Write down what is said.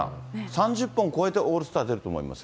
３０本超えてオールスター出ると思いますよ。